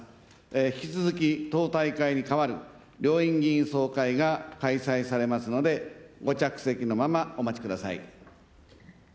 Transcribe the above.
引き続き党大会に代わる両院議員総会が開催されますので、ご着席のまま、お待ちください。